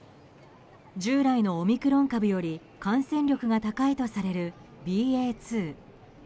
従来のオミクロン株より感染力が高いとされるＢＡ．２。